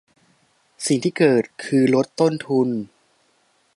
สิ่งที่เกิดคือลดต้นทุน